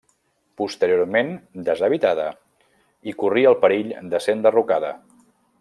Posteriorment deshabitada i corria el perill de ser enderrocada.